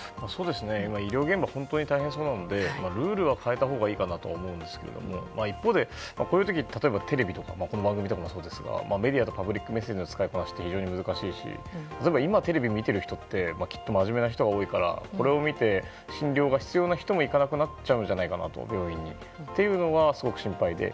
今、医療現場本当に大変そうなのでルールは変えたほうがいいかなと思いますけど一方でこういう時例えばテレビとかこの番組もそうですがメディアのパブリックメッセージの伝え方って非常に難しいし今、テレビを見ている人ってきっとまじめな人が多いからこれを見て、診療が必要な人も病院に行かなくなっちゃうんじゃないかなというのはすごく心配で。